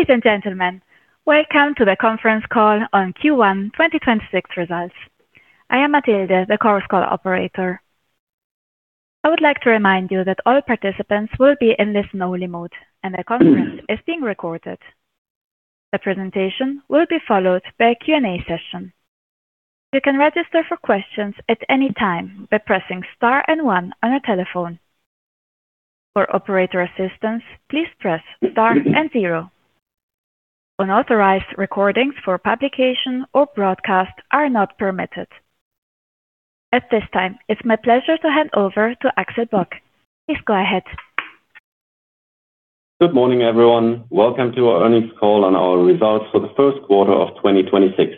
Ladies and gentlemen, welcome to the conference call on Q1 2026 results. I am Matilde, the Chorus Call operator. I would like to remind you that all participants will be in listen-only mode, and the conference is being recorded. The presentation will be followed by a Q&A session. You can register for questions at any time by pressing star one on a telephone. For operator assistance, please press star zero. Unauthorized recordings for publication or broadcast are not permitted. At this time, it's my pleasure to hand over to Axel Bock. Please go ahead. Good morning, everyone. Welcome to our earnings call on our results for the first quarter of 2026.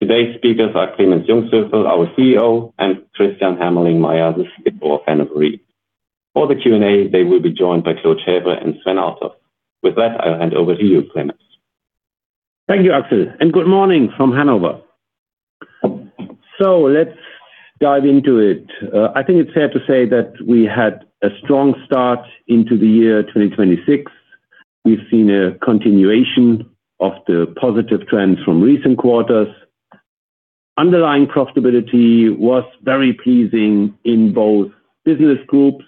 Today's speakers are Clemens Jungsthöfel, our CEO, and Christian Hermelingmeier, the CFO of Hannover Re. For the Q&A, they will be joined by Claude Chèvre and Sven Althoff. With that, I'll hand over to you, Clemens. Thank you, Axel, and good morning from Hanover. Let's dive into it. I think it's fair to say that we had a strong start into the year 2026. We've seen a continuation of the positive trends from recent quarters. Underlying profitability was very pleasing in both business groups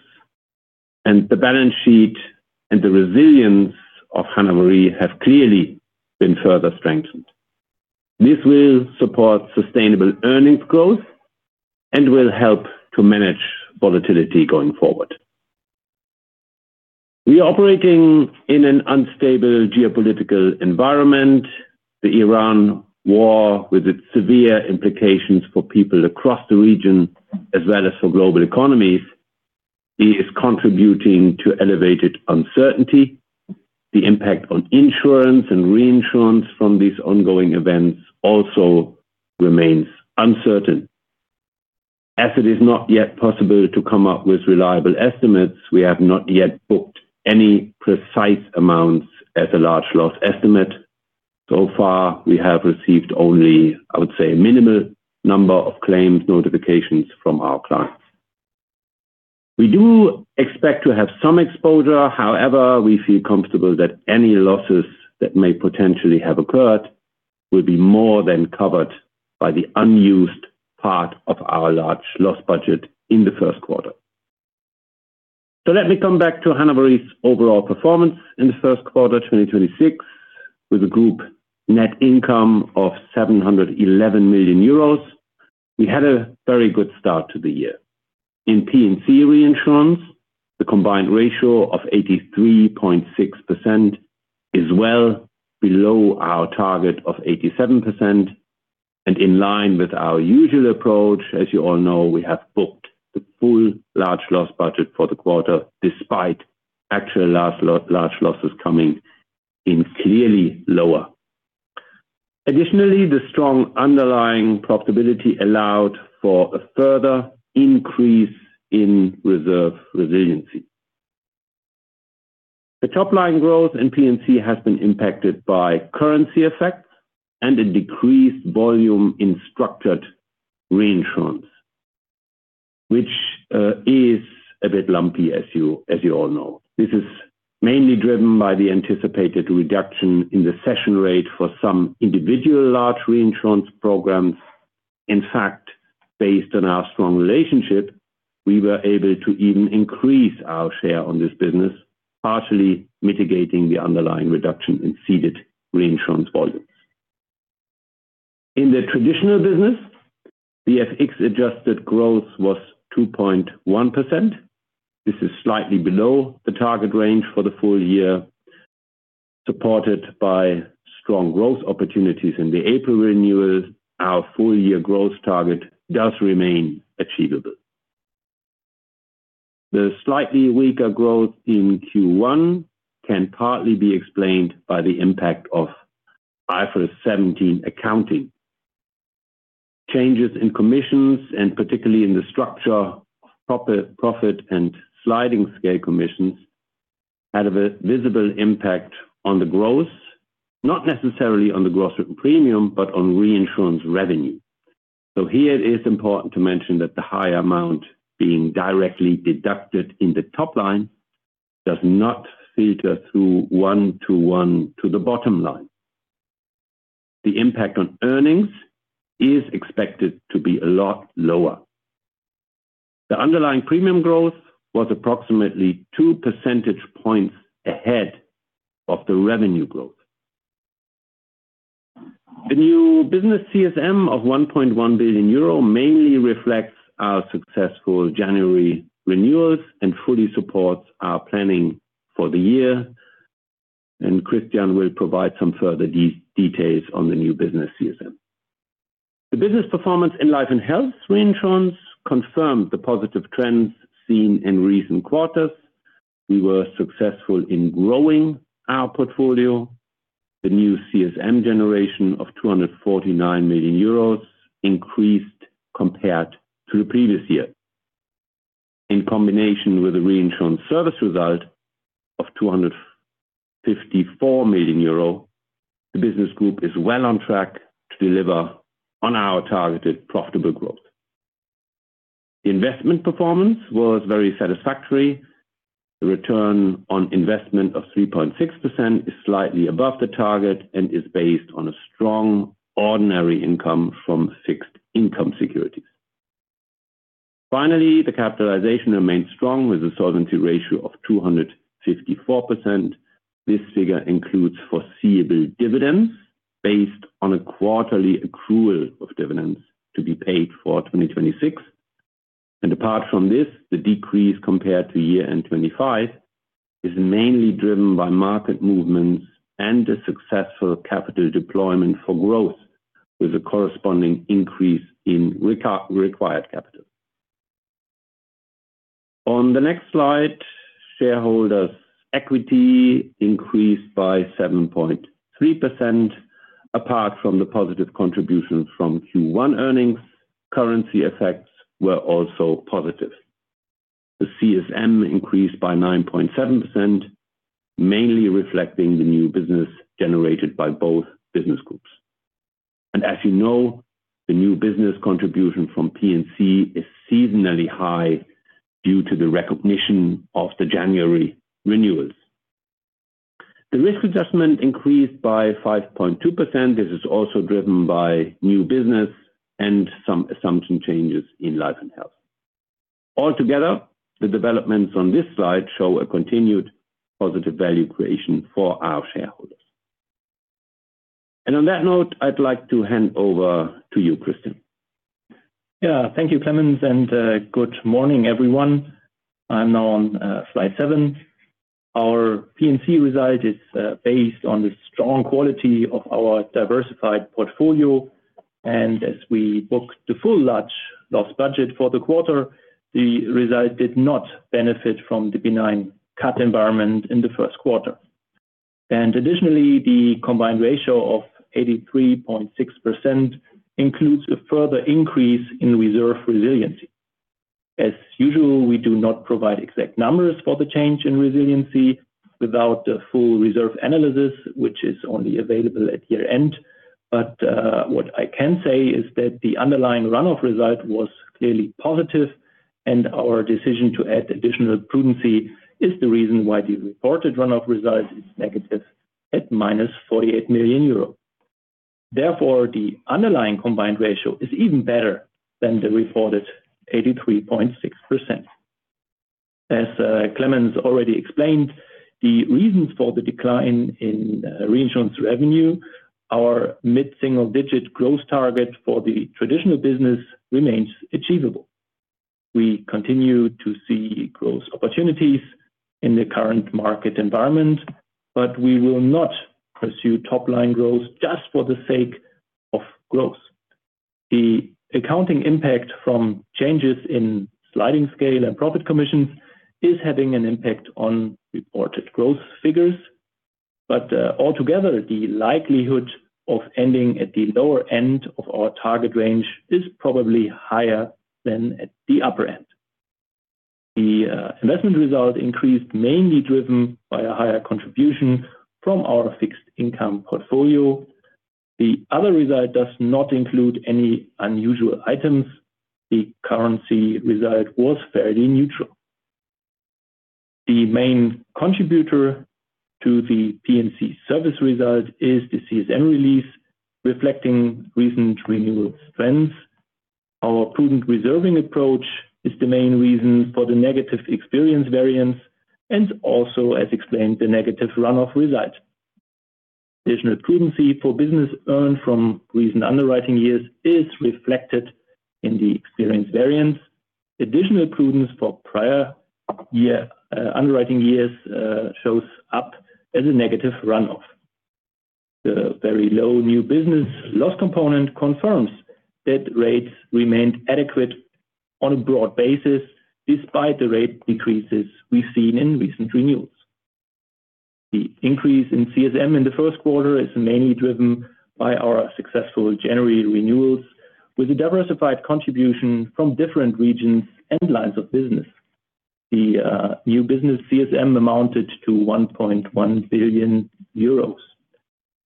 and the balance sheet, and the resilience of Hannover Re have clearly been further strengthened. This will support sustainable earnings growth and will help to manage volatility going forward. We are operating in an unstable geopolitical environment. The Iran war, with its severe implications for people across the region as well as for global economies, is contributing to elevated uncertainty. The impact on insurance and reinsurance from these ongoing events also remains uncertain. As it is not yet possible to come up with reliable estimates, we have not yet booked any precise amounts as a large loss estimate. So far, we have received only, I would say, a minimal number of claims notifications from our clients. We do expect to have some exposure. However, we feel comfortable that any losses that may potentially have occurred will be more than covered by the unused part of our large loss budget in the first quarter. Let me come back to Hannover Re's overall performance in the first quarter, 2026, with a group net income of 711 million euros. We had a very good start to the year. In P&C reinsurance, the combined ratio of 83.6% is well below our target of 87% and in line with our usual approach. As you all know, we have booked the full large loss budget for the quarter despite actual large losses coming in clearly lower. Additionally, the strong underlying profitability allowed for a further increase in reserve resiliency. The top line growth in P&C has been impacted by currency effects and a decreased volume in structured reinsurance, which is a bit lumpy as you all know. This is mainly driven by the anticipated reduction in the cession rate for some individual large reinsurance programs. In fact, based on our strong relationship, we were able to even increase our share on this business, partially mitigating the underlying reduction in ceded reinsurance volumes. In the traditional business, the FX adjusted growth was 2.1%. This is slightly below the target range for the full year. Supported by strong growth opportunities in the April renewals, our full year growth target does remain achievable. The slightly weaker growth in Q1 can partly be explained by the impact of IFRS 17 accounting. Changes in commissions, and particularly in the structure of profit and sliding scale commissions, had a visible impact on the growth, not necessarily on the gross written premium, but on reinsurance revenue. Here it is important to mention that the high amount being directly deducted in the top line does not filter through one-to-one to the bottom line. The impact on earnings is expected to be a lot lower. The underlying premium growth was approximately 2 percentage points ahead of the revenue growth. The new business CSM of 1.1 billion euro mainly reflects our successful January renewals and fully supports our planning for the year. Christian will provide some further details on the new business CSM. The business performance in Life and Health reinsurance confirmed the positive trends seen in recent quarters. We were successful in growing our portfolio. The new CSM generation of 249 million euros increased compared to the previous year. In combination with the reinsurance service result of 254 million euro, the business group is well on track to deliver on our targeted profitable growth. Investment performance was very satisfactory. The return on investment of 3.6% is slightly above the target and is based on a strong ordinary income from fixed income securities. Finally, the capitalization remains strong with a solvency ratio of 254%. This figure includes foreseeable dividends based on a quarterly accrual of dividends to be paid for 2026. Apart from this, the decrease compared to year-end 2025 is mainly driven by market movements and the successful capital deployment for growth, with a corresponding increase in required capital. On the next slide, shareholders equity increased by 7.3%. Apart from the positive contributions from Q1 earnings, currency effects were also positive. The CSM increased by 9.7%, mainly reflecting the new business generated by both business groups. As you know, the new business contribution from P&C is seasonally high due to the recognition of the January renewals. The risk adjustment increased by 5.2%. This is also driven by new business and some assumption changes in Life and Health. Altogether, the developments on this slide show a continued positive value creation for our shareholders. On that note, I'd like to hand over to you, Christian. Thank you, Clemens, and good morning, everyone. I'm now on slide seven. Our P&C result is based on the strong quality of our diversified portfolio, and as we booked the full large loss budget for the quarter, the result did not benefit from the benign cat environment in the first quarter. Additionally, the combined ratio of 83.6% includes a further increase in reserve resiliency. As usual, we do not provide exact numbers for the change in resiliency without the full reserve analysis, which is only available at year-end. What I can say is that the underlying run-off result was clearly positive, and our decision to add additional prudency is the reason why the reported run-off result is negative at -48 million euros. Therefore, the underlying combined ratio is even better than the reported 83.6%. As Clemens already explained, the reasons for the decline in reinsurance revenue, our mid-single-digit growth target for the traditional business remains achievable. We continue to see growth opportunities in the current market environment, but we will not pursue top-line growth just for the sake of growth. The accounting impact from changes in sliding scale and profit commissions is having an impact on reported growth figures. Altogether, the likelihood of ending at the lower end of our target range is probably higher than at the upper end. The investment result increased, mainly driven by a higher contribution from our fixed income portfolio. The other result does not include any unusual items. The currency result was fairly neutral. The main contributor to the P&C service result is the CSM release reflecting recent renewal trends. Our prudent reserving approach is the main reason for the negative experience variance and also, as explained, the negative run-off result. Additional prudency for business earned from recent underwriting years is reflected in the experience variance. Additional prudence for prior year underwriting years shows up as a negative run-off. The very low new business loss component confirms that rates remained adequate on a broad basis, despite the rate decreases we've seen in recent renewals. The increase in CSM in the first quarter is mainly driven by our successful January renewals, with a diversified contribution from different regions and lines of business. The new business CSM amounted to 1.1 billion euros.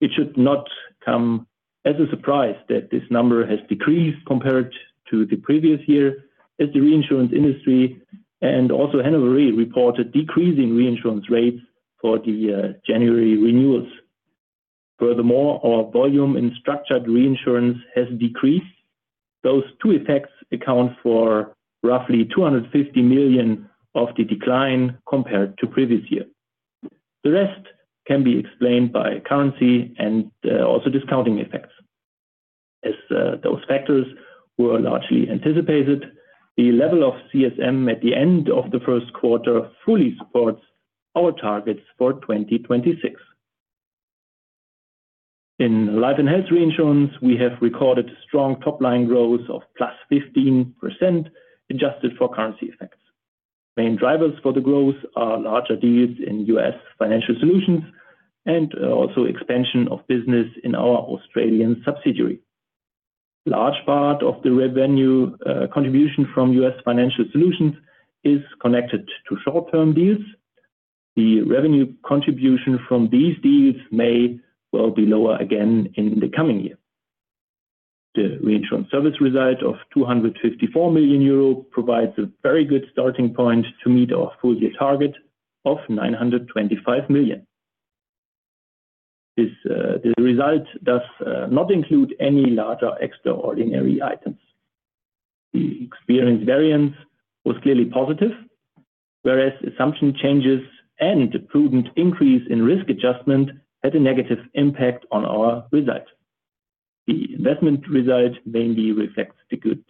It should not come as a surprise that this number has decreased compared to the previous year as the reinsurance industry, and also Hannover Re, reported decreasing reinsurance rates for the January renewals. Furthermore, our volume in structured reinsurance has decreased. Those two effects account for roughly 250 million of the decline compared to previous year. The rest can be explained by currency and also discounting effects. As those factors were largely anticipated, the level of CSM at the end of the first quarter fully supports our targets for 2026. In Life and Health reinsurance, we have recorded strong top-line growth of plus 15% adjusted for currency effects. Main drivers for the growth are larger deals in U.S. financial solutions and also expansion of business in our Australian subsidiary. Large part of the revenue contribution from U.S. financial solutions is connected to short-term deals. The revenue contribution from these deals may well be lower again in the coming year. The reinsurance service result of 254 million euro provides a very good starting point to meet our full year target of 925 million. This result does not include any larger extraordinary items. The experience variance was clearly positive, whereas assumption changes and a prudent increase in risk adjustment had a negative impact on our result. The investment result mainly reflects the good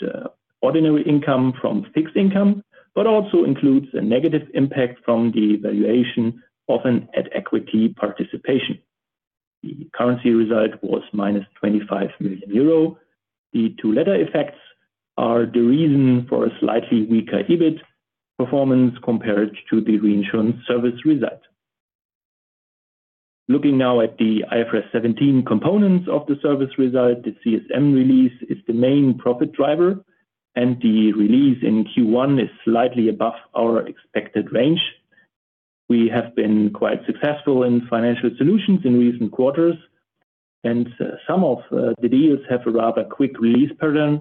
ordinary income from fixed income, but also includes a negative impact from the valuation of an at equity participation. The currency result was minus 25 million euro. The two latter effects are the reason for a slightly weaker EBIT performance compared to the reinsurance service result. Looking now at the IFRS 17 components of the service result, the CSM release is the main profit driver, and the release in Q1 is slightly above our expected range. We have been quite successful in financial solutions in recent quarters, and some of the deals have a rather quick release pattern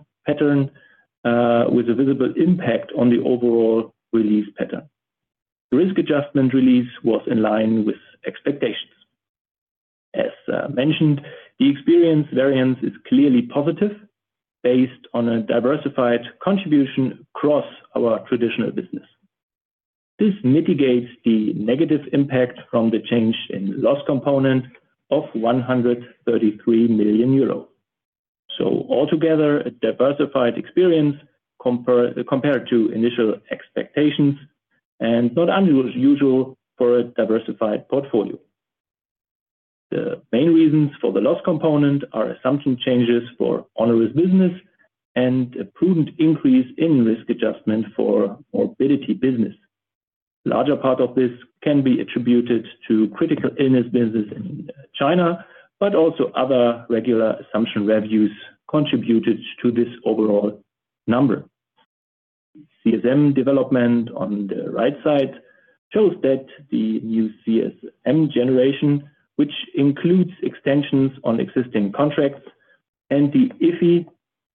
with a visible impact on the overall release pattern. The risk adjustment release was in line with expectations. As mentioned, the experience variance is clearly positive based on a diversified contribution across our traditional business. This mitigates the negative impact from the change in loss component of 133 million euro. Altogether, a diversified experience compared to initial expectations and not unusual for a diversified portfolio. The main reasons for the loss component are assumption changes for onerous business and a prudent increase in risk adjustment for morbidity business. Larger part of this can be attributed to critical illness business in China, but also other regular assumption reviews contributed to this overall number. CSM development on the right side shows that the new CSM generation, which includes extensions on existing contracts and the IFI,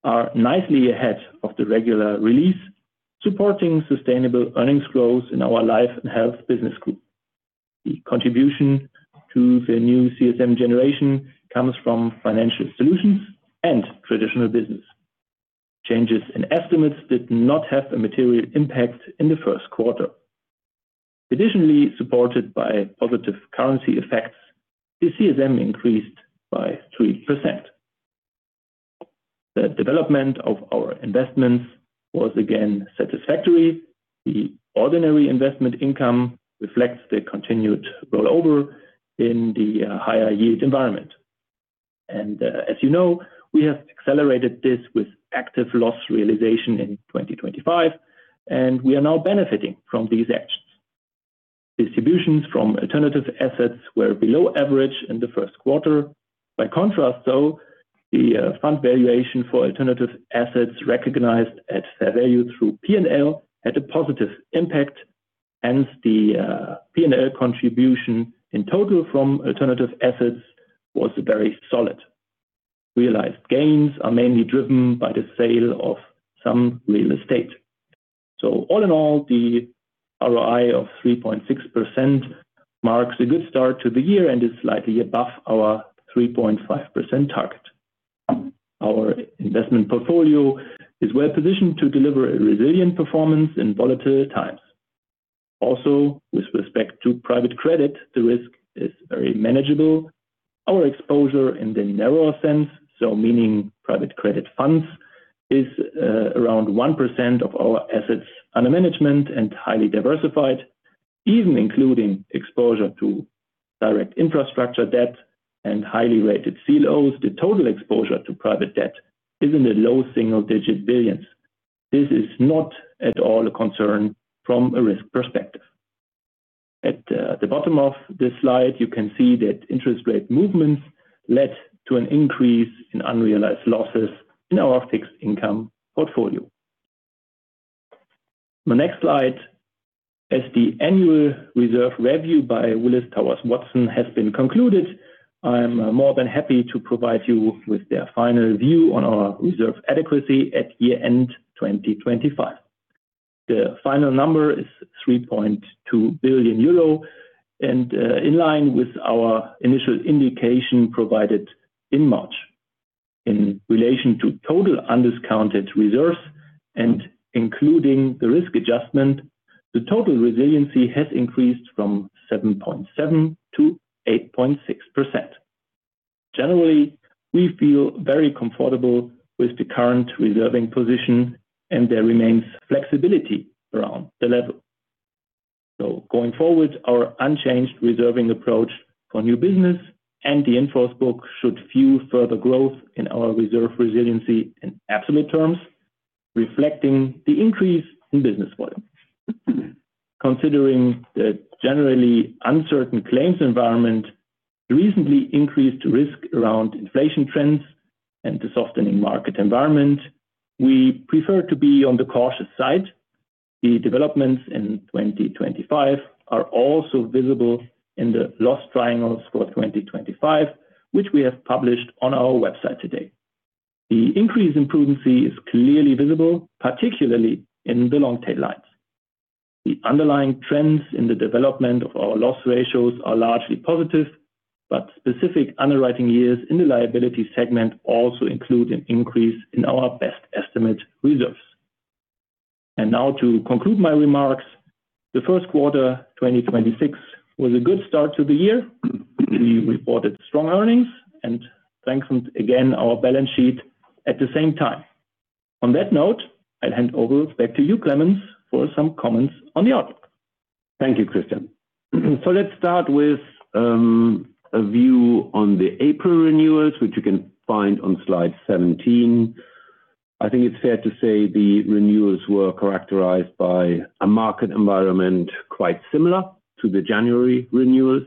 are nicely ahead of the regular release, supporting sustainable earnings growth in our Life and Health business group. The contribution to the new CSM generation comes from financial solutions and traditional business. Changes in estimates did not have a material impact in the first quarter. Additionally, supported by positive currency effects, the CSM increased by 3%. The development of our investments was again satisfactory. The ordinary investment income reflects the continued rollover in the higher yield environment. As you know, we have accelerated this with active loss realization in 2025, and we are now benefiting from these actions. Distributions from alternative assets were below average in the first quarter. By contrast, though, the fund valuation for alternative assets recognized at fair value through P&L had a positive impact, hence the P&L contribution in total from alternative assets was very solid. Realized gains are mainly driven by the sale of some real estate. All in all, the ROI of 3.6% marks a good start to the year and is slightly above our 3.5% target. Our investment portfolio is well-positioned to deliver a resilient performance in volatile times. Also, with respect to private credit, the risk is very manageable. Our exposure in the narrower sense, so meaning private credit funds, is around 1% of our assets under management and highly diversified. Even including exposure to direct infrastructure debt and highly rated CLOs, the total exposure to private debt is in the low single-digit billions. This is not at all a concern from a risk perspective. At the bottom of this slide, you can see that interest rate movements led to an increase in unrealized losses in our fixed income portfolio. The next slide, as the annual reserve review by Willis Towers Watson has been concluded, I am more than happy to provide you with their final view on our reserve adequacy at year-end 2025. The final number is 3.2 billion euro, in line with our initial indication provided in March. In relation to total undiscounted reserves and including the risk adjustment, the total resiliency has increased from 7.7%-8.6%. Generally, we feel very comfortable with the current reserving position, and there remains flexibility around the level. Going forward, our unchanged reserving approach for new business and the in-force book should fuel further growth in our reserve resiliency in absolute terms, reflecting the increase in business volume. Considering the generally uncertain claims environment, recently increased risk around inflation trends and the softening market environment, we prefer to be on the cautious side. The developments in 2025 are also visible in the loss triangles for 2025, which we have published on our website today. The increase in prudency is clearly visible, particularly in the long tail lines. The underlying trends in the development of our loss ratios are largely positive, but specific underwriting years in the liability segment also include an increase in our best estimate reserves. Now to conclude my remarks. The first quarter, 2026, was a good start to the year. We reported strong earnings and strengthened again our balance sheet at the same time. On that note, I'll hand over back to you, Clemens, for some comments on the outlook. Thank you, Christian Hermelingmeier. Let's start with a view on the April renewals, which you can find on slide 17. I think it's fair to say the renewals were characterized by a market environment quite similar to the January renewals.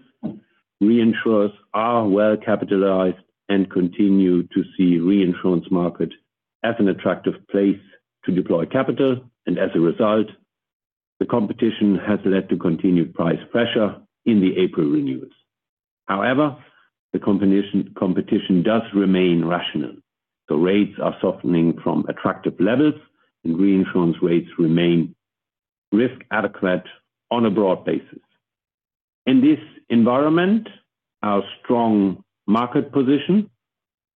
Reinsurers are well capitalized and continue to see reinsurance market as an attractive place to deploy capital. As a result, the competition has led to continued price pressure in the April renewals. However, the competition does remain rational. The rates are softening from attractive levels, reinsurance rates remain risk adequate on a broad basis. In this environment, our strong market position,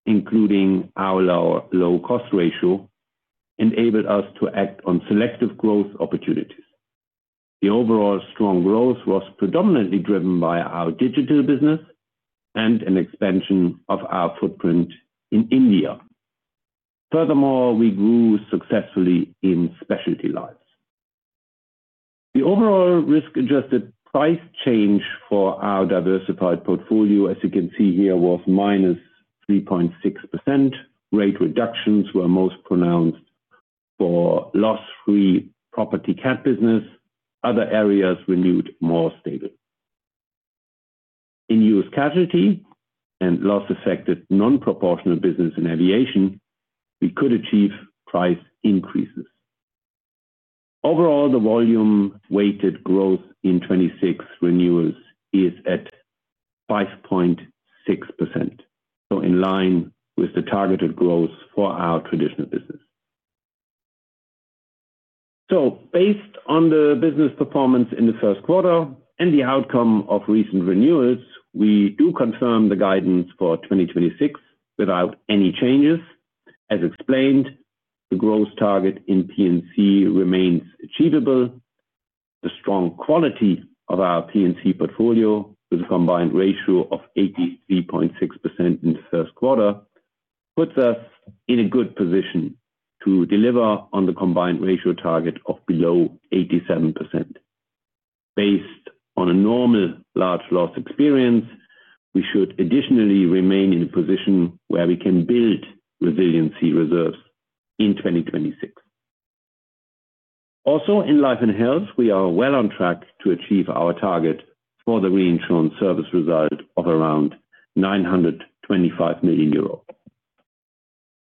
including our low cost ratio, enabled us to act on selective growth opportunities. The overall strong growth was predominantly driven by our digital business and an expansion of our footprint in India. Furthermore, we grew successfully in specialty lines. The overall risk-adjusted price change for our diversified portfolio, as you can see here, was minus 3.6%. Rate reductions were most pronounced for loss-free property cat business. Other areas renewed more stable. In U.S. casualty and loss-affected non-proportional business and aviation, we could achieve price increases. The volume weighted growth in 2026 renewals is at 5.6%, so in line with the targeted growth for our traditional business. Based on the business performance in the first quarter and the outcome of recent renewals, we do confirm the guidance for 2026 without any changes. As explained, the growth target in P&C remains achievable. The strong quality of our P&C portfolio, with a combined ratio of 83.6% in the first quarter, puts us in a good position to deliver on the combined ratio target of below 87%. Based on a normal large loss experience, we should additionally remain in a position where we can build resiliency reserves in 2026. In Life and Health, we are well on track to achieve our target for the reinsurance service result of around 925 million euros.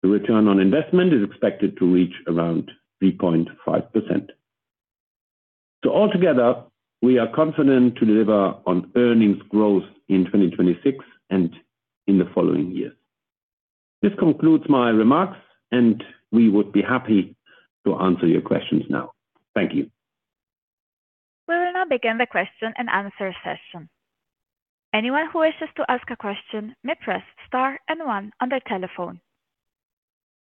The return on investment is expected to reach around 3.5%. Altogether, we are confident to deliver on earnings growth in 2026 and in the following years. This concludes my remarks, and we would be happy to answer your questions now. Thank you. We will now begin the question and answer session. Anyone who wishes to ask a question may press star and one on their telephone.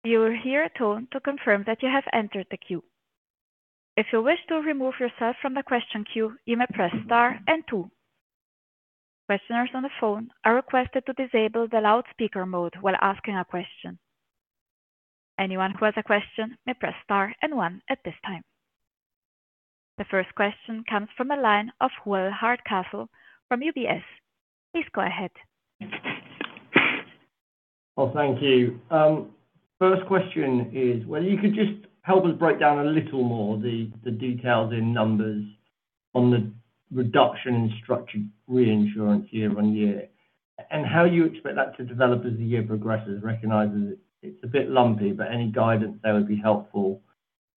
You will hear a tone to confirm that you have entered the queue. If you wish to remove yourself from the question queue, you may press star and two. Questioners on the phone are requested to disable the loudspeaker mode while asking a question. Anyone who has a question may press star and one at this time. The first question comes from the line of Will Hardcastle from UBS. Please go ahead. Well, thank you. First question is whether you could just help us break down a little more the details in numbers on the reduction in structured reinsurance year-on-year, and how you expect that to develop as the year progresses, recognizing it's a bit lumpy, but any guidance there would be helpful.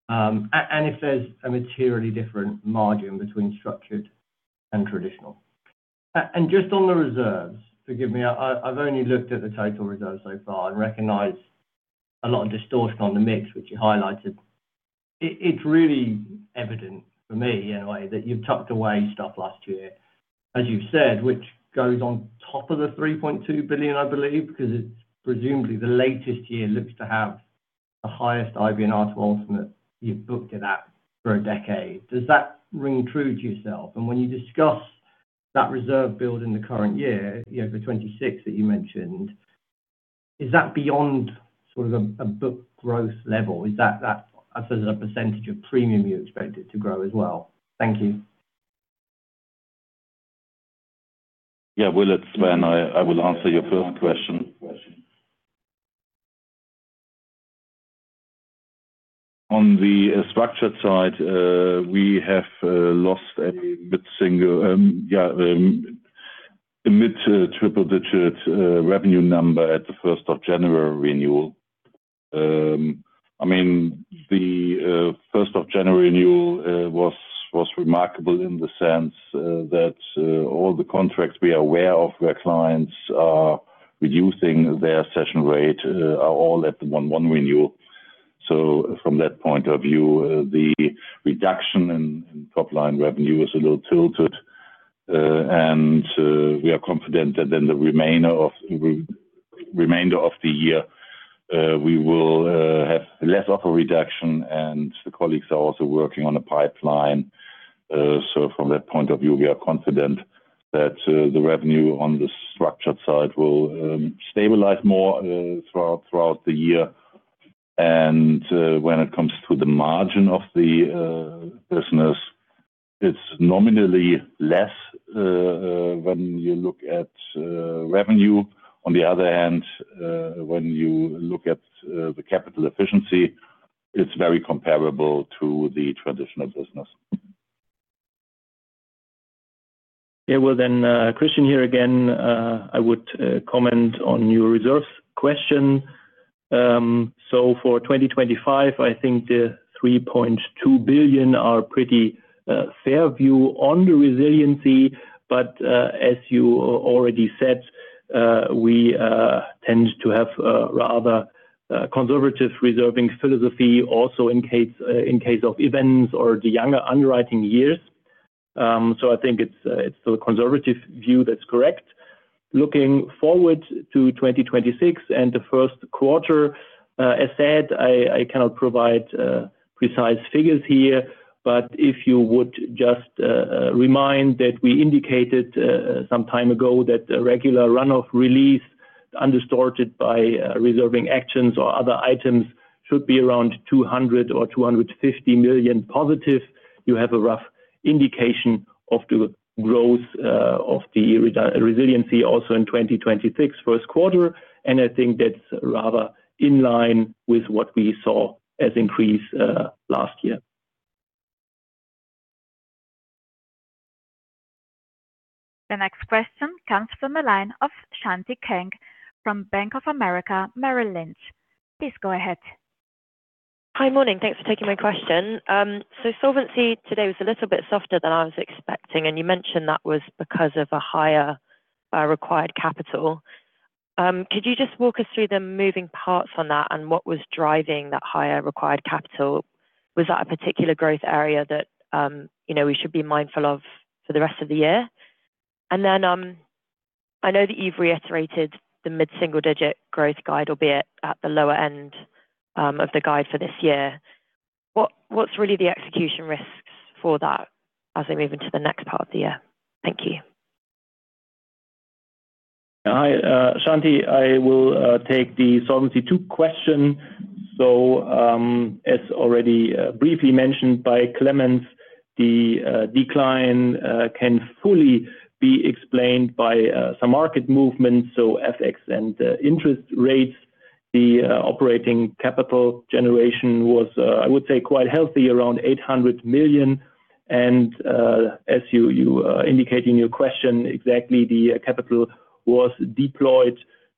If there's a materially different margin between structured and traditional. Just on the reserves, forgive me, I've only looked at the total reserves so far and recognize a lot of distortion on the mix, which you highlighted. It's really evident for me, in a way, that you've tucked away stuff last year, as you've said, which goes on top of the 3.2 billion, I believe, because it's presumably the latest year looks to have the highest IBNR to ultimate you've booked it at for a decade. Does that ring true to yourself? When you discuss that reserve build in the current year, you know, for 2026 that you mentioned, is that beyond sort of a book growth level? Is that as a percentage of premium you expected to grow as well? Thank you. Yeah. Will, it's Sven. I will answer your first question. On the structured side, we have lost a mid to triple digits revenue number at January 1st renewal. I mean, the January 1st renewal was remarkable in the sense that all the contracts we are aware of where clients are reducing their cession rate are all at the 1/1 renewal. From that point of view, the reduction in top line revenue is a little tilted. We are confident that in the remainder of the year, we will have less of a reduction, and the colleagues are also working on a pipeline. From that point of view, we are confident that the revenue on the structured side will stabilize more throughout the year. When it comes to the margin of the business, it's nominally less when you look at revenue. On the other hand, when you look at the capital efficiency, it's very comparable to the traditional business. Christian here again. I would comment on your reserves question. For 2025, I think the 3.2 billion are pretty fair view on the resiliency. As you already said, we tend to have a rather conservative reserving philosophy also in case of events or the younger underwriting years. I think it's the conservative view that's correct. Looking forward to 2026 and the first quarter, as said, I cannot provide precise figures here, but if you would just remind that we indicated some time ago that a regular run-off release undistorted by reserving actions or other items should be around 200 million or 250 million+. You have a rough indication of the growth, of the resiliency also in 2026 first quarter. I think that's rather in line with what we saw as increase, last year. The next question comes from the line of Shanti Kang from Bank of America Merrill Lynch. Please go ahead. Hi. Morning. Thanks for taking my question. So solvency today was a little bit softer than I was expecting, and you mentioned that was because of a higher required capital. Could you just walk us through the moving parts on that and what was driving that higher required capital? Was that a particular growth area that, you know, we should be mindful of for the rest of the year? I know that you've reiterated the mid-single digit growth guide, albeit at the lower end of the guide for this year. What's really the execution risks for that as we move into the next part of the year? Thank you. Hi, Shanti. I will take the Solvency II question. As already briefly mentioned by Clemens, the decline can fully be explained by some market movements, FX and interest rates. The operating capital generation was, I would say, quite healthy, around 800 million. As you indicate in your question exactly the capital was deployed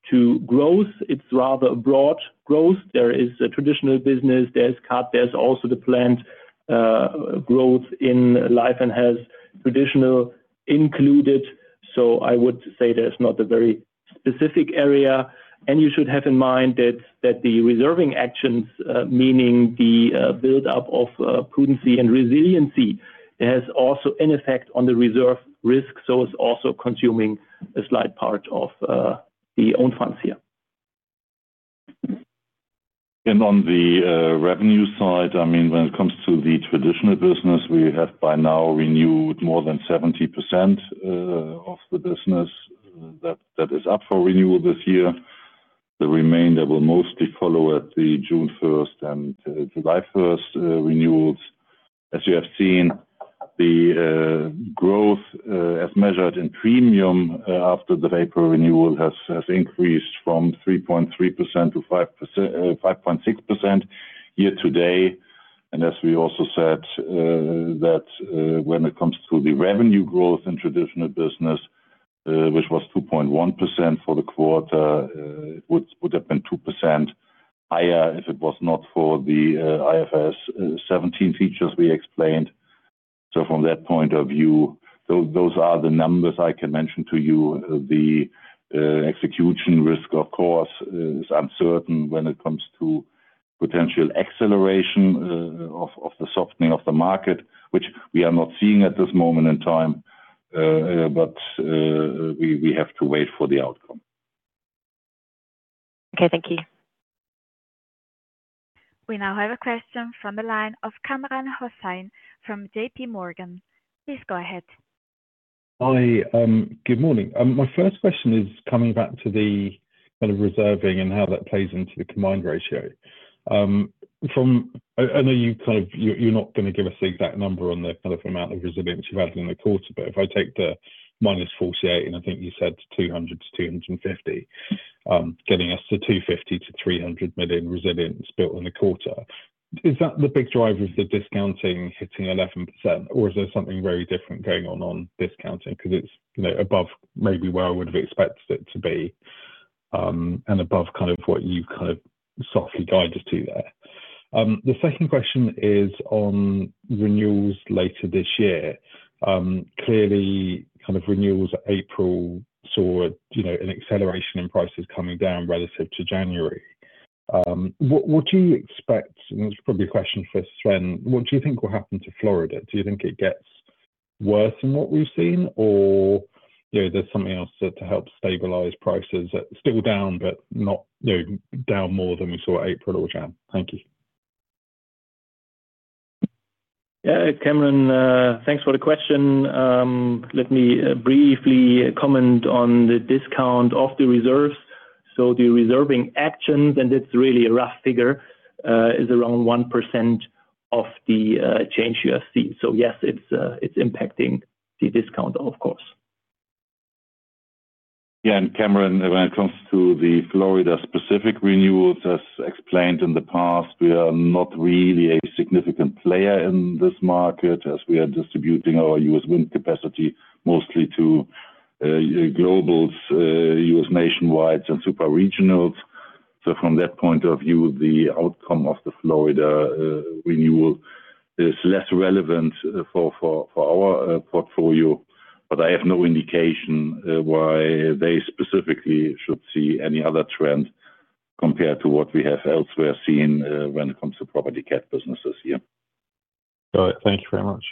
to growth. It's rather a broad growth. There is a traditional business. There's cat. There's also the planned growth in Life and Health traditional included. I would say there's not a very specific area. You should have in mind that the reserving actions, meaning the buildup of prudency and resiliency, has also an effect on the reserve risk. It's also consuming a slight part of the own funds here. On the revenue side, I mean, when it comes to the traditional business, we have by now renewed more than 70% of the business that is up for renewal this year. The remainder will mostly follow at the June 1st and July 1st renewals. As you have seen, the growth as measured in premium after the April renewal has increased from 3.3%-5.6% year-to-date. As we also said, that when it comes to the revenue growth in traditional business, which was 2.1% for the quarter, it would have been 2% higher if it was not for the IFRS 17 features we explained. From that point of view, those are the numbers I can mention to you. The execution risk, of course, is uncertain when it comes to potential acceleration of the softening of the market, which we are not seeing at this moment in time. We have to wait for the outcome. Okay. Thank you. We now have a question from the line of Kamran Hossain from JPMorgan. Please go ahead. Hi. Good morning. My first question is coming back to the kind of reserving and how that plays into the combined ratio. I know you're not gonna give us the exact number on the kind of amount of resilience you've had in the quarter, but if I take the -48, and I think you said 200 million-250 million, getting us to 250 million-300 million resilience built in the quarter. Is that the big driver of the discounting hitting 11%, or is there something very different going on on discounting? It's, you know, above maybe where I would have expected it to be, and above kind of what you've kind of softly guided to there. The second question is on renewals later this year. Clearly kind of renewals April saw, you know, an acceleration in prices coming down relative to January. What do you expect? This is probably a question for Sven. What do you think will happen to Florida? Do you think it gets worse than what we've seen or, you know, there's something else to help stabilize prices that still down but not, you know, down more than we saw April or January? Thank you. Yeah, Kamran, thanks for the question. Let me briefly comment on the discount of the reserves. The reserving actions, it's really a rough figure, is around 1% of the change you have seen. Yes, it's impacting the discount, of course. Yeah. Kamran, when it comes to the Florida specific renewals, as explained in the past, we are not really a significant player in this market as we are distributing our U.S. wind capacity mostly to globals, U.S. nationwide and super regionals. From that point of view, the outcome of the Florida renewal is less relevant for our portfolio. I have no indication why they specifically should see any other trend compared to what we have elsewhere seen when it comes to property cat businesses. Yeah. All right. Thank you very much.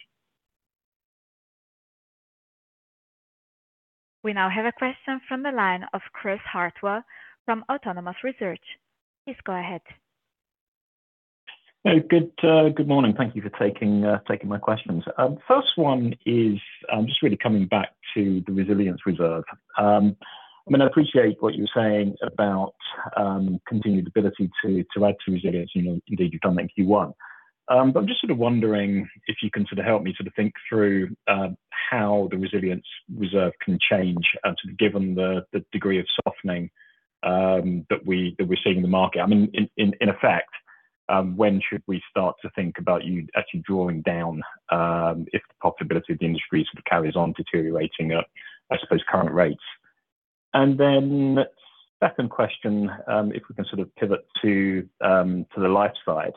We now have a question from the line of Chris Hartwell from Autonomous Research. Please go ahead. Hey. Good morning. Thank you for taking my questions. First one is just really coming back to the resilience reserve. I mean, I appreciate what you are saying about continued ability to add to resilience. You know, indeed you have done that in Q1. I am just sort of wondering if you can sort of help me sort of think through how the resilience reserve can change given the degree of softening that we are seeing in the market. I mean, in effect, when should we start to think about you actually drawing down if the profitability of the industry sort of carries on deteriorating at, I suppose, current rates? Second question, if we can sort of pivot to the life side.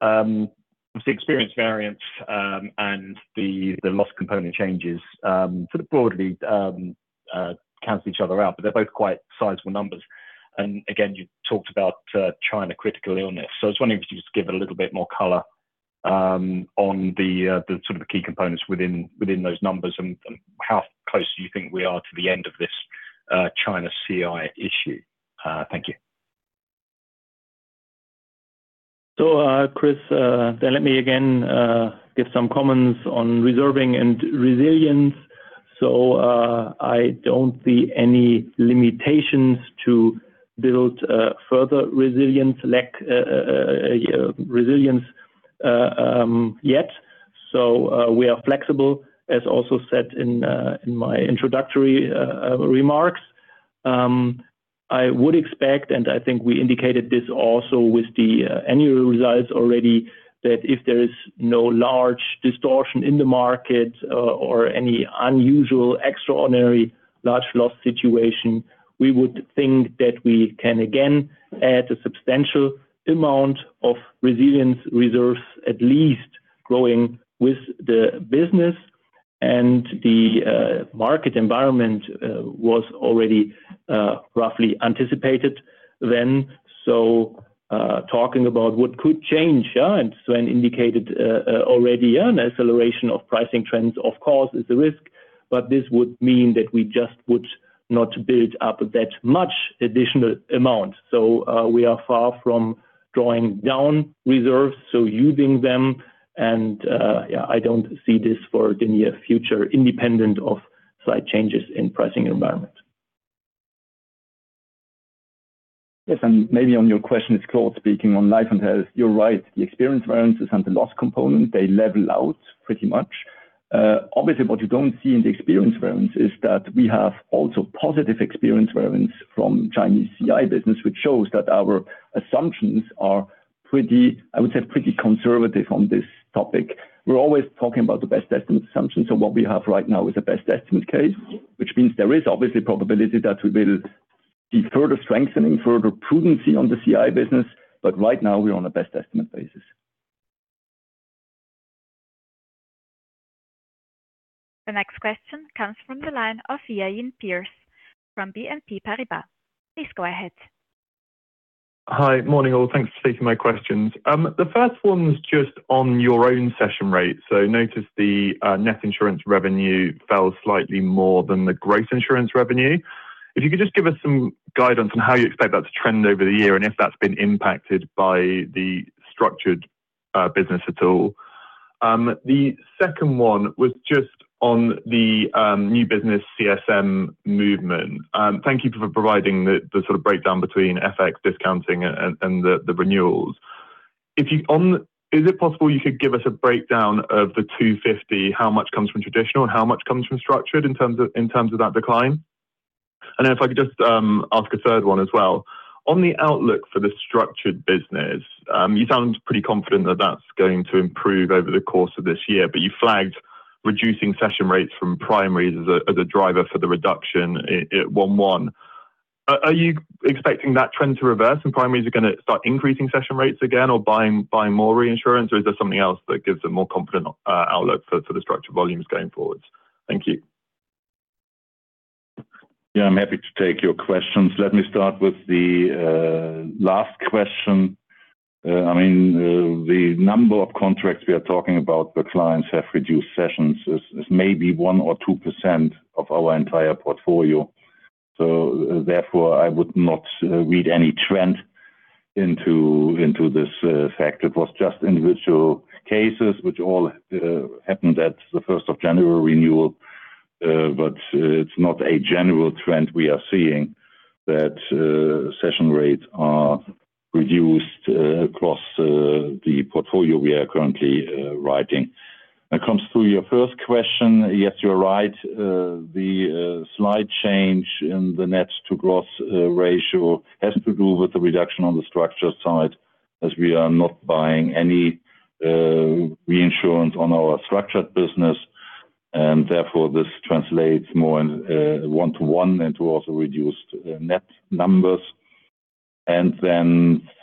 The experience variance, and the loss component changes, sort of broadly, cancel each other out, but they're both quite sizable numbers. Again, you talked about China critical illness. I was wondering if you could just give a little bit more color on the sort of the key components within those numbers and how close do you think we are to the end of this China CI issue? Thank you. Chris, let me again give some comments on reserving and resilience. I don't see any limitations to build further resilience yet. We are flexible, as also said in my introductory remarks. I would expect, and I think we indicated this also with the annual results already, that if there is no large distortion in the market or any unusual, extraordinary large loss situation, we would think that we can again add a substantial amount of resilience reserves at least growing with the business. The market environment was already roughly anticipated then. Talking about what could change, Sven indicated already, an acceleration of pricing trends, of course, is a risk. This would mean that we just would not build up that much additional amount. We are far from drawing down reserves, so using them and, yeah, I don't see this for the near future independent of slight changes in pricing environment. Yes. Maybe on your question, it's Claude speaking. On Life and Health, you're right. The experience variance is on the loss component. They level out pretty much. Obviously, what you don't see in the experience variance is that we have also positive experience variance from Chinese CI business, which shows that our assumptions are pretty, I would say, pretty conservative on this topic. We're always talking about the best estimate assumptions. What we have right now is the best estimate case, which means there is obviously probability that we will be further strengthening, further prudency on the CI business. Right now, we're on a best estimate basis. The next question comes from the line of Iain Pearce from BNP Paribas. Please go ahead. Hi. Morning, all. Thanks for taking my questions. The first one's just on your own cession rate. Notice the net insurance revenue fell slightly more than the gross insurance revenue. If you could just give us some guidance on how you expect that to trend over the year and if that's been impacted by the structured business at all? The second one was just on the new business CSM movement. Thank you for providing the sort of breakdown between FX discounting and the renewals. Is it possible you could give us a breakdown of the 250, how much comes from traditional and how much comes from structured in terms of that decline? If I could just ask a third one as well. On the outlook for the structured business, you sound pretty confident that that's going to improve over the course of this year. You flagged reducing cession rates from primaries as a driver for the reduction at 1/1. Are you expecting that trend to reverse and primaries are gonna start increasing cession rates again or buying more reinsurance? Is there something else that gives a more confident outlook for the structured volumes going forwards? Thank you. I'm happy to take your questions. Let me start with the last question. I mean, the number of contracts we are talking about where clients have reduced cessions is maybe 1% or 2% of our entire portfolio. Therefore, I would not read any trend into this fact. It was just individual cases which all happened of January 1st renewal. It's not a general trend we are seeing that cession rates are reduced across the portfolio we are currently writing. When it comes to your first question, yes, you're right. The slight change in the net to gross ratio has to do with the reduction on the structured side, as we are not buying any reinsurance on our structured business. Therefore, this translates more in one-one and to also reduced net numbers.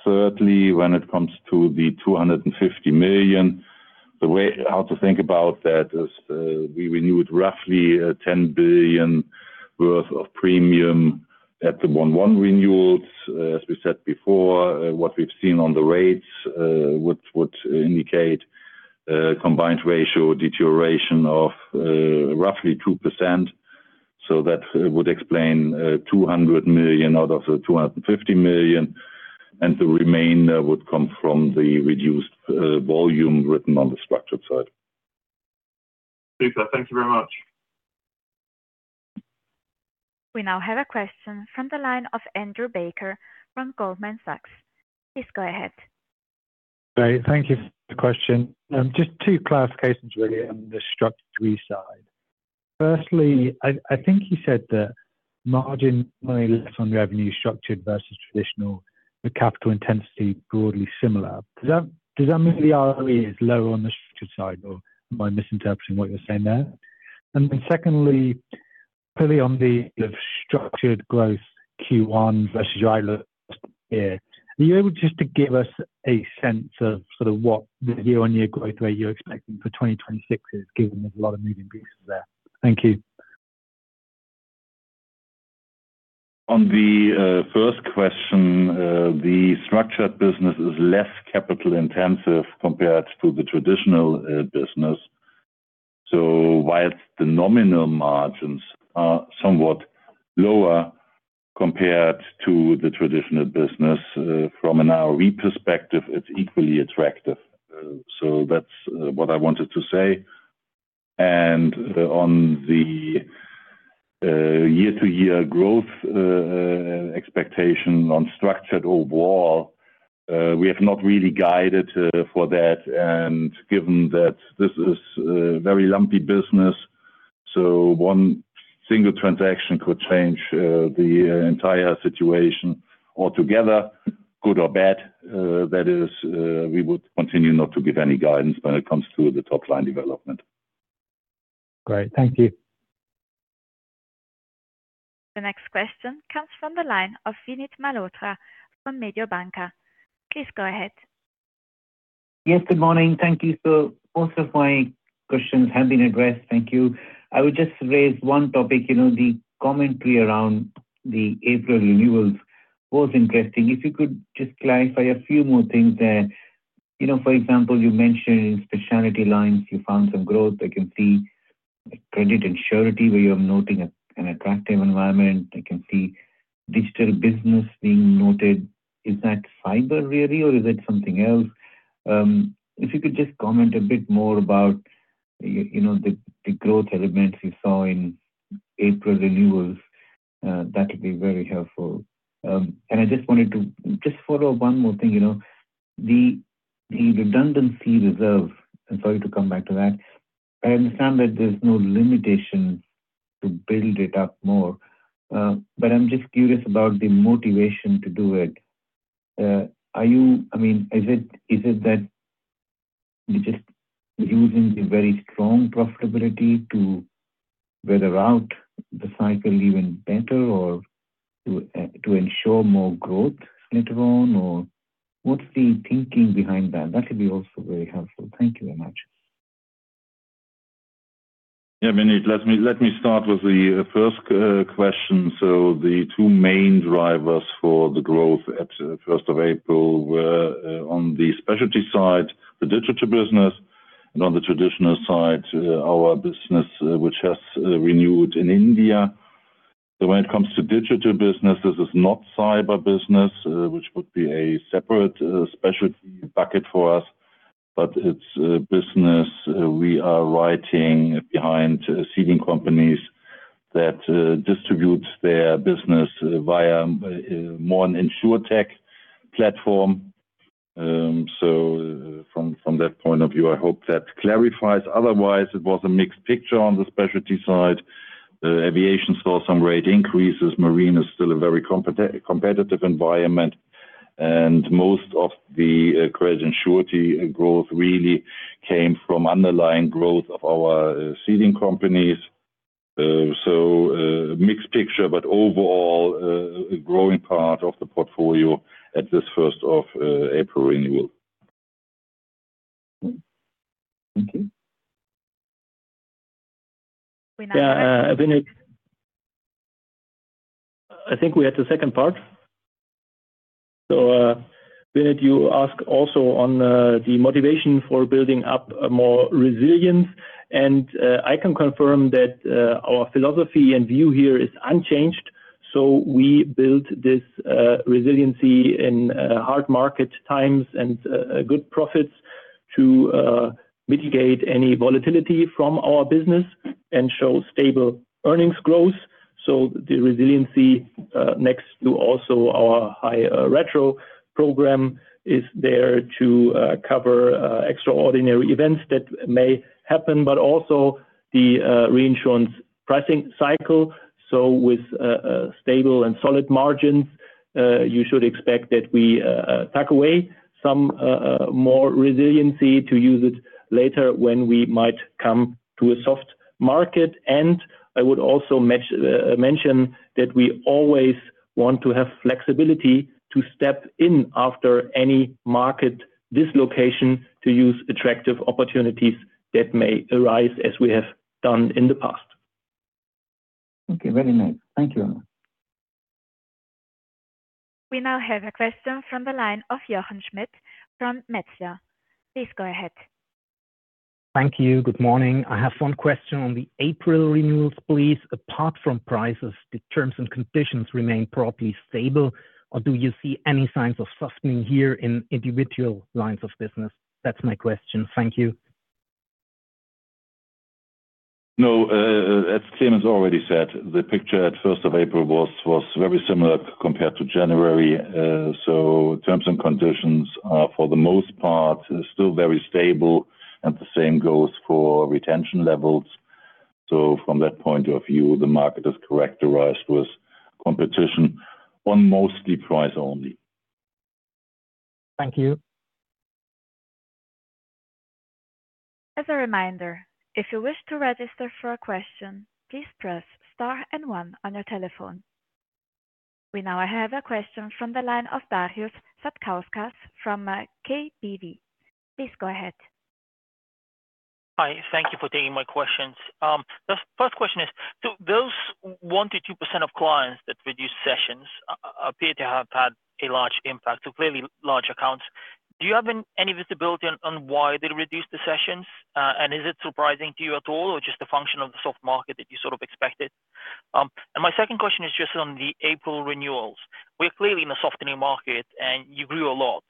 Thirdly, when it comes to the 250 million, the way how to think about that is, we renewed roughly 10 billion worth of premium at the 1/1 renewals. As we said before, what we've seen on the rates would indicate a combined ratio deterioration of roughly 2%. That would explain 200 million out of the 250 million, and the remainder would come from the reduced volume written on the structured side. Super. Thank you very much. We now have a question from the line of Andrew Baker from Goldman Sachs. Please go ahead. Great. Thank you for the question. Just two clarifications really on the structurally side. Firstly, I think you said that margin money on revenue structured versus traditional, the capital intensity broadly similar. Does that mean the ROE is lower on the structured side, or am I misinterpreting what you're saying there? Secondly, probably on the sort of structured growth Q1 versus outlook here. Are you able just to give us a sense of sort of what the year-on-year growth rate you're expecting for 2026 is, given there's a lot of moving pieces there? Thank you. On the first question, the structured business is less capital-intensive compared to the traditional business. While the nominal margins are somewhat lower compared to the traditional business, from an ROE perspective, it's equally attractive. That's what I wanted to say. On the year-to-year growth expectation on structured overall, we have not really guided for that. Given that this is a very lumpy business, one single transaction could change the entire situation altogether, good or bad. That is, we would continue not to give any guidance when it comes to the top line development. Great. Thank you. The next question comes from the line of Vinit Malhotra from Mediobanca. Please go ahead. Yes, good morning. Thank you. Most of my questions have been addressed. Thank you. I would just raise one topic. You know, the commentary around the April renewals was interesting. If you could just clarify a few more things there. You know, for example, you mentioned in specialty lines you found some growth. I can see credit and surety, where you're noting an attractive environment. I can see digital business being noted. Is that cyber really or is it something else? If you could just comment a bit more about, you know, the growth elements you saw in April renewals, that would be very helpful. I just wanted to just follow one more thing. You know, the redundancy reserve, and sorry to come back to that. I understand that there's no limitation to build it up more, I'm just curious about the motivation to do it. I mean, is it that you're just using the very strong profitability to weather out the cycle even better or to ensure more growth later on? Or what's the thinking behind that? That could be also very helpful. Thank you very much. Yeah. Vinit, let me start with the first question. The two main drivers for the growth of April 1st were on the specialty side, the digital business, and on the traditional side, our business, which has renewed in India. When it comes to digital business, this is not cyber business, which would be a separate specialty bucket for us, but it's a business we are writing behind ceding companies that distribute their business via more an InsurTech platform. From that point of view, I hope that clarifies. Otherwise, it was a mixed picture on the specialty side. Aviation saw some rate increases. Marine is still a very competitive environment. Most of the credit and surety growth really came from underlying growth of our ceding companies. A mixed picture, but overall a growing part of the portfolio of April 1st renewal. Thank you. We now have- Yeah, Vinit Malhotra. I think we had the second part. Vinit Malhotra, you ask also on the motivation for building up more resilience. I can confirm that our philosophy and view here is unchanged. We built this resiliency in hard market times and good profits to mitigate any volatility from our business and show stable earnings growth. The resiliency next to also our high retro program is there to cover extraordinary events that may happen, but also the reinsurance pricing cycle. With stable and solid margins, you should expect that we tuck away some more resiliency to use it later when we might come to a soft market. I would also mention that we always want to have flexibility to step in after any market dislocation to use attractive opportunities that may arise as we have done in the past. Okay. Very nice. Thank you. We now have a question from the line of Jochen Schmitt from Metzler. Please go ahead. Thank you. Good morning. I have one question on the April renewals, please. Apart from prices, did terms and conditions remain properly stable, or do you see any signs of softening here in individual lines of business? That's my question. Thank you. No. As Clemens already said, the picture of April 1st was very similar compared to January. Terms and conditions are, for the most part, still very stable, and the same goes for retention levels. From that point of view, the market is characterized with competition on mostly price only. Thank you. As a reminder, if you wish to register for a question, please press star and one on your telephone. We now have a question from the line of Darius Satkauskas from KBW. Please go ahead. Hi. Thank you for taking my questions. The first question is, do those 1%-2% of clients that reduced cessions appear to have had a large impact, so clearly large accounts. Do you have any visibility on why they reduced the cessions? Is it surprising to you at all or just a function of the soft market that you sort of expected? My second question is just on the April renewals. We're clearly in a softening market and you grew a lot.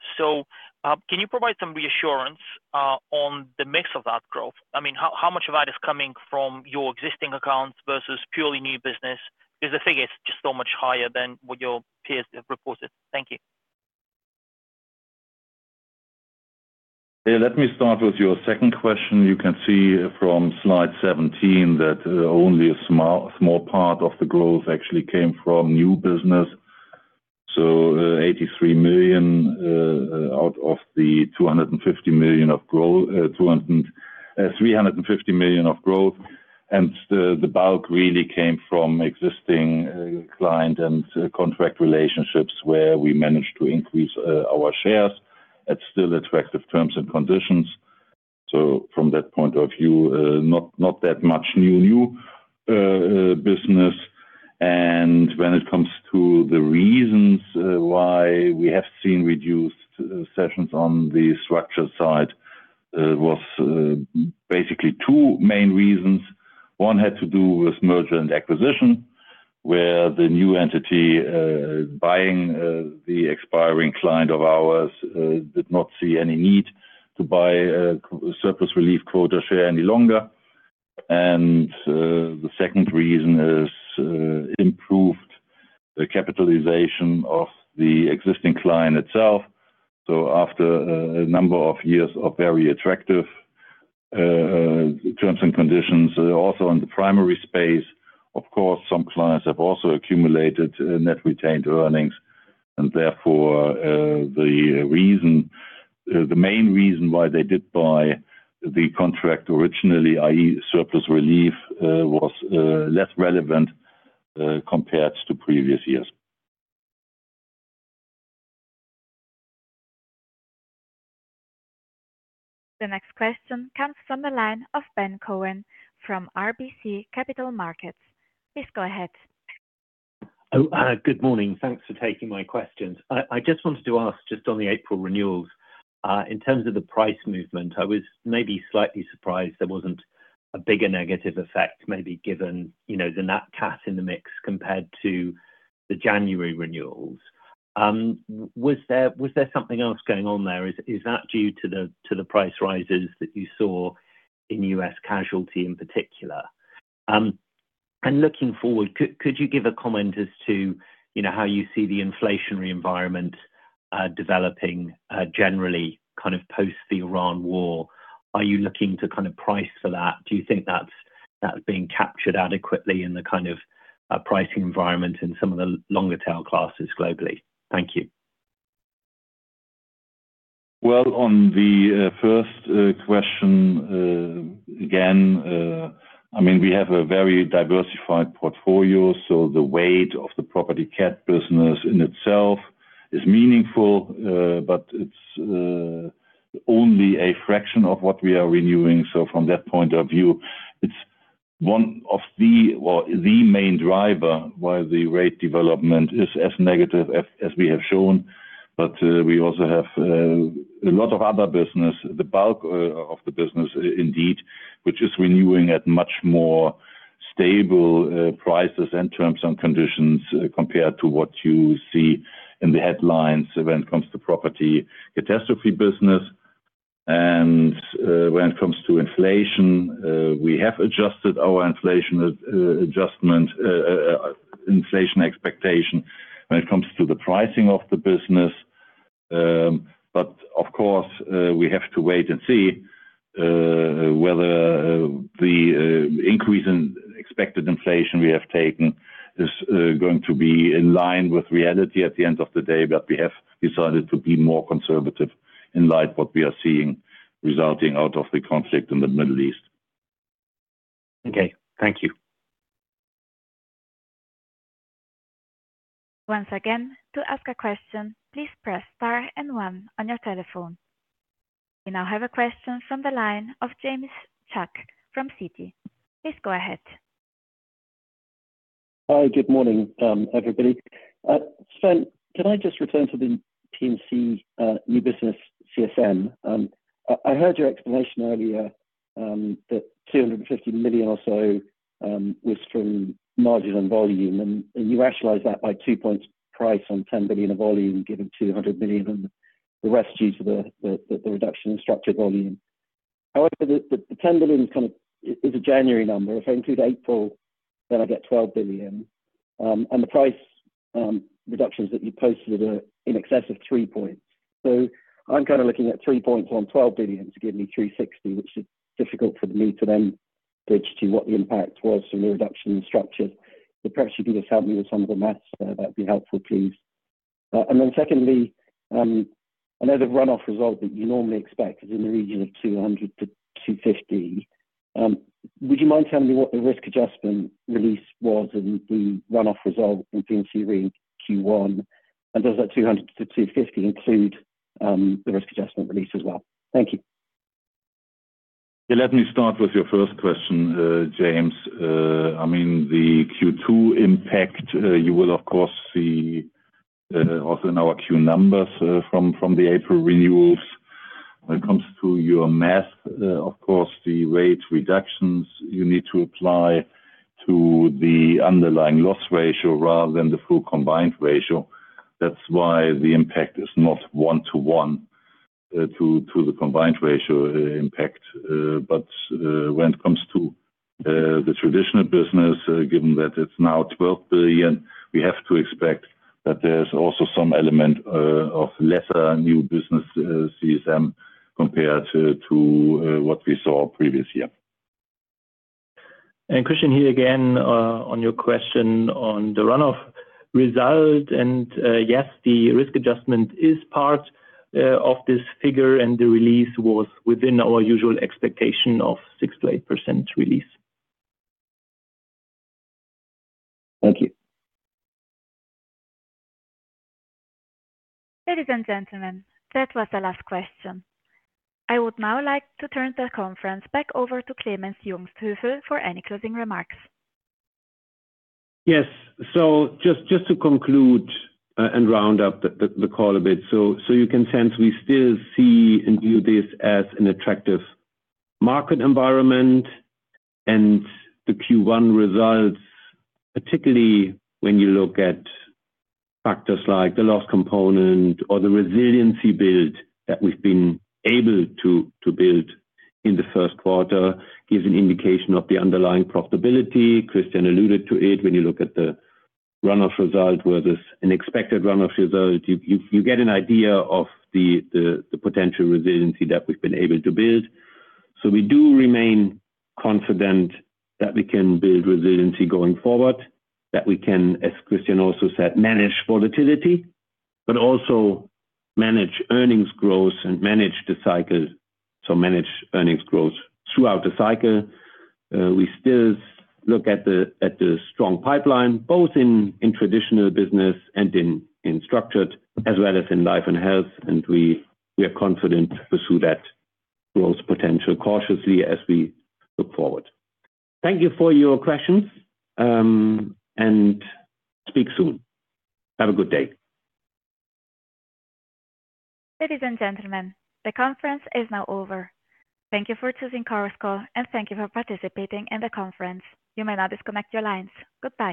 Can you provide some reassurance on the mix of that growth? I mean, how much of that is coming from your existing accounts versus purely new business? Because the figure is just so much higher than what your peers have reported. Thank you. Let me start with your second question. You can see from slide 17 that only a small part of the growth actually came from new business. 83 million out of the 350 million of growth. The bulk really came from existing client and contract relationships where we managed to increase our shares at still attractive terms and conditions. From that point of view, not that much new business. When it comes to the reasons why we have seen reduced cessions on the structured side, was basically two main reasons. One had to do with merger and acquisition, where the new entity, buying the expiring client of ours, did not see any need to buy a surplus relief quota share any longer. The second reason is improved capitalization of the existing client itself. After a number of years of very attractive terms and conditions, also in the primary space, of course, some clients have also accumulated net retained earnings. Therefore, the reason, the main reason why they did buy the contract originally, i.e. surplus relief, was less relevant compared to previous years. The next question comes from the line of Ben Cohen from RBC Capital Markets. Please go ahead. Good morning. Thanks for taking my questions. I just wanted to ask just on the April renewals, in terms of the price movement, I was maybe slightly surprised there wasn't a bigger negative effect, maybe given, you know, the Nat cat in the mix compared to the January renewals. Was there something else going on there? Is that due to the price rises that you saw in U.S. casualty in particular? Looking forward, could you give a comment as to, you know, how you see the inflationary environment developing generally kind of post the Iran war? Are you looking to kind of price for that? Do you think that's being captured adequately in the kind of pricing environment in some of the longer tail classes globally? Thank you. Well, on the first question, again, I mean, we have a very diversified portfolio, so the weight of the property cat business in itself is meaningful, but it's only a fraction of what we are renewing. So, from that point of view, it's one of the or the main driver why the rate development is as negative as we have shown. We also have a lot of other business, the bulk of the business indeed, which is renewing at much more stable prices and terms and conditions, compared to what you see in the headlines when it comes to property catastrophe business. When it comes to inflation, we have adjusted our inflation adjustment inflation expectation when it comes to the pricing of the business. Of course, we have to wait and see, whether the increase in expected inflation we have taken is going to be in line with reality at the end of the day. We have decided to be more conservative in light what we are seeing resulting out of the conflict in the Middle East. Okay. Thank you. Once again, to ask a question, please press star and one on your telephone. We now have a question from the line of James Shuck from Citi. Please go ahead. Hi, good morning, everybody. Sven, can I just return to the P&C, new business CSM? I heard your explanation earlier, that 250 million or so, was from margin and volume, and you rationalized that by two points price on 10 billion of volume, given 200 million, and the rest due to the reduction in structured volume. The 10 billion is a January number. If I include April, I get 12 billion. The price reductions that you posted are in excess of three points. I'm kind of looking at three points on 12 billion to give me 360 million, which is difficult for me to then bridge to what the impact was from the reduction in structures. Perhaps you could just help me with some of the maths there. That'd be helpful, please. Secondly, I know the run-off result that you normally expect is in the region of 200-250. Would you mind telling me what the risk adjustment release was in the run-off result in P&C Re Q1? Does that 200-250 include the risk adjustment release as well? Thank you. Yeah, let me start with your first question, James. I mean, the Q2 impact, you will of course see also in our Q numbers from the April renewals. When it comes to your math, of course, the rate reductions you need to apply to the underlying loss ratio rather than the full combined ratio. That's why the impact is not one-one to the combined ratio impact. When it comes to the traditional business, given that it's now 12 billion, we have to expect that there's also some element of lesser new business CSM compared to what we saw previous year. Christian here again, on your question on the run-off result. Yes, the risk adjustment is part of this figure, and the release was within our usual expectation of 6%-8% release. Thank you. Ladies and gentlemen, that was the last question. I would now like to turn the conference back over to Clemens Jungsthöfel for any closing remarks. Yes. Just to conclude and round up the call a bit. You can sense we still see and view this as an attractive market environment. The Q1 results, particularly when you look at factors like the loss component or the resiliency build that we've been able to build in the first quarter, gives an indication of the underlying profitability. Christian alluded to it. When you look at the run-off result, where there's an expected run-off result, you get an idea of the potential resiliency that we've been able to build. We do remain confident that we can build resiliency going forward, that we can, as Christian also said, manage volatility, but also manage earnings growth and manage the cycle, manage earnings growth throughout the cycle. We still look at the, at the strong pipeline, both in traditional business and in structured, as well as in life and health. We, we are confident to pursue that growth potential cautiously as we look forward. Thank you for your questions and speak soon. Have a good day. Ladies and gentlemen, the conference is now over. Thank you for choosing Chorus Call and thank you for participating in the conference. You may now disconnect your lines. Goodbye.